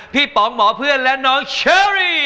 ป๋องหมอเพื่อนและน้องเชอรี่